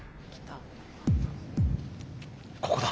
ここだ。